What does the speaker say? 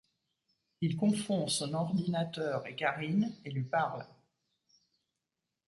Il confond son ordinateur et Karine, et lui parle.